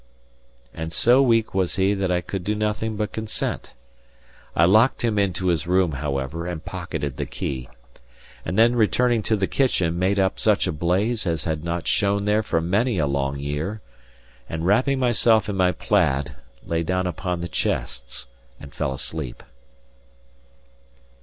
And so weak was he that I could do nothing but consent. I locked him into his room, however, and pocketed the key, and then returning to the kitchen, made up such a blaze as had not shone there for many a long year, and wrapping myself in my plaid, lay down upon the chests and fell asleep.